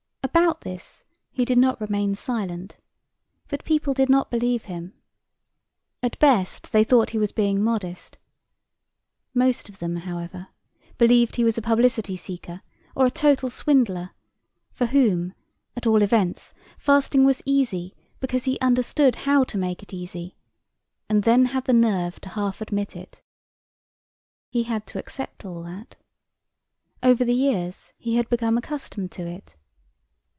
About this he did not remain silent, but people did not believe him. At best they thought he was being modest. Most of them, however, believed he was a publicity seeker or a total swindler, for whom, at all events, fasting was easy, because he understood how to make it easy, and then had the nerve to half admit it. He had to accept all that. Over the years he had become accustomed to it.